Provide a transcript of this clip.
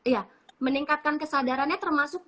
ya meningkatkan kesadarannya termasuk